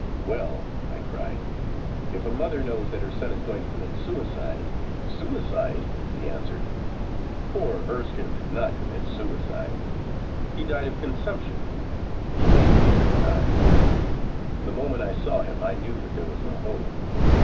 'Well,' I cried, 'if a mother knows that her son is going to commit suicide—' 'Suicide!' he answered. 'Poor Erskine did not commit suicide. He died of consumption. He came here to die. The moment I saw him I knew that there was no hope.